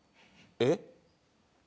えっ？